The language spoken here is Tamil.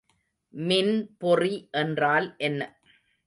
மின்பொறி என்றால் என்ன?